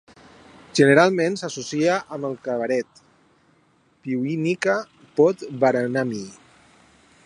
Generalment s'associa amb el cabaret Piwnica Pod Baranami.